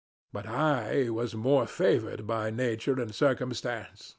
But I was more favored by nature and circumstance.